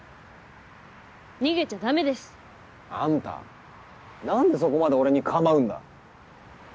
逃げちゃダメです。あんたなんでそこまで俺に構うんだ？